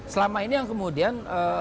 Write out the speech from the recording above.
selama ini yang kemudian